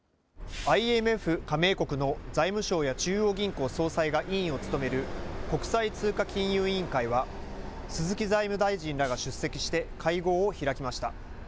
ＩＭＦ加盟国の財務相や中央銀行総裁が委員を務める国際通貨金融委員会は鈴木財務大臣らが出席して会合を開きました。